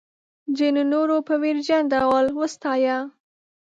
ځینو نورو په ویرجن ډول وستایه.